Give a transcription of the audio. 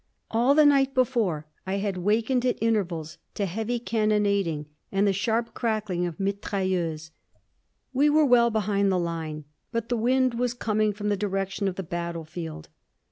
All the night before I had wakened at intervals to heavy cannonading and the sharp cracking of mitrailleuse. We were well behind the line, but the wind was coming from the direction of the battlefield.